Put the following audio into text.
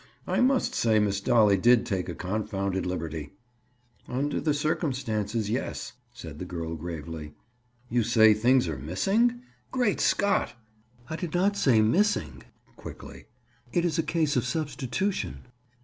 "I must say Miss Dolly did take a confounded liberty." "Under the circumstances, yes," said the girl gravely. "You say things are missing? Great Scott!" "I did not say missing." Quickly. "It is a case of substitution."